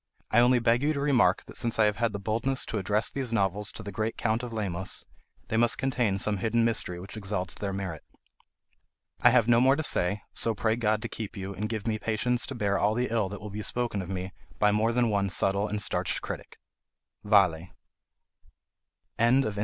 I only beg you to remark that since I have had the boldness to address these novels to the great Count of Lemos, they must contain some hidden mystery which exalts their merit. I have no more to say, so pray God to keep you, and give me patience to bear all the ill that will be spoken of me by more than one subtle and starched critic. Vale. CONTENTS.